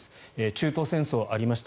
中東戦争、ありました。